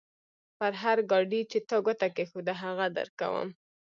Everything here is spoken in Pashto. پر هر ګاډي چې تا ګوته کېښوده؛ هغه درکوم.